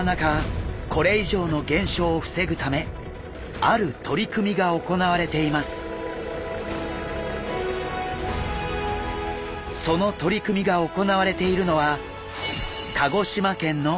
その取り組みが行われているのは鹿児島県の奄美大島。